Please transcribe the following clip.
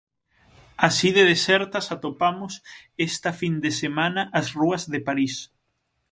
Así de desertas atopamos esta fin de semana as rúas de París.